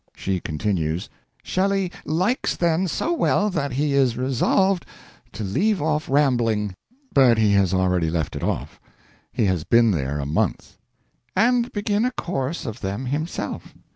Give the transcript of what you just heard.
She continues: Shelley "likes them so well that he is resolved to leave off rambling " But he has already left it off. He has been there a month. "And begin a course of them himself."